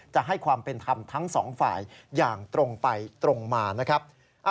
จะให้ความเป็นธรรมทั้งสองฝ่ายอย่างตรงไปตรงมานะครับ